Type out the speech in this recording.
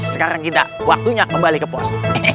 sekarang kita waktunya kembali ke pos